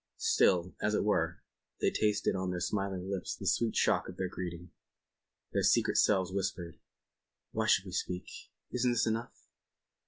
Still, as it were, they tasted on their smiling lips the sweet shock of their greeting. Their secret selves whispered: "Why should we speak? Isn't this enough?"